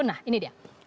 nah ini dia